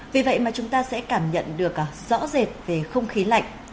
vì vậy mà chúng ta sẽ cảm nhận được rõ rệt về không khí lạnh